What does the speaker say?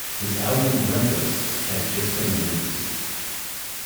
His album "Reckless" had just been released.